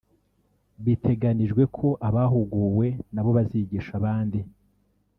Biteganijwe ko abahuguwe na bo bazigisha abandi